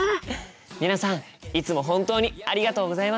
皆さんいつも本当にありがとうございます！